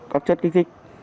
các chất kích thích